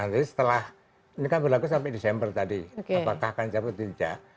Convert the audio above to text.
nah ini kan berlaku sampai desember tadi apakah akan dicabut tidak